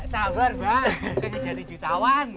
kan jadi jutawan